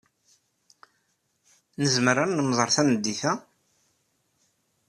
Nezmer ad nemẓeṛ tameddit-a?